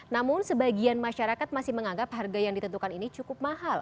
namun sebagian masyarakat masih menganggap harga yang ditentukan ini cukup mahal